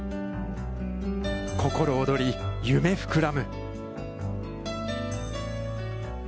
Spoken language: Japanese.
心躍り、夢膨らむ。